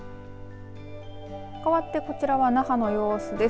かわってこちらは那覇の様子です。